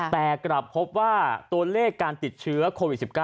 แต่ก็จะพบว่าเลขจะติดเชื้อโควิด๑๙